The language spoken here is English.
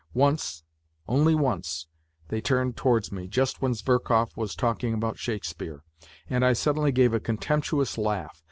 Once only once they turned towards me, just when Zverkov was talking about Shakespeare, and I suddenly gave a contemptuous laugh.